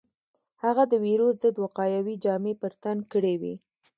هغه د وېروس ضد وقايوي جامې پر تن کړې وې.